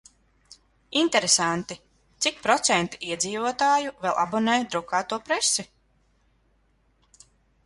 Interesanti, cik procenti iedzīvotāju vēl abonē drukāto presi?